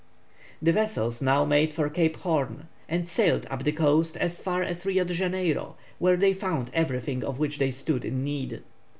The vessels now made for Cape Horn, and sailed up the coast as far as Rio de Janeiro, where they found everything of which they stood in need.